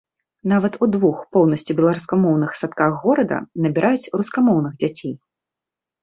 Нават у двух поўнасцю беларускамоўных садках горада набіраюць рускамоўных дзяцей.